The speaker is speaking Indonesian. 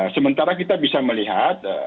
sementara kita bisa melihat